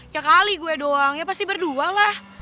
ya kali gue doang ya pasti berdua lah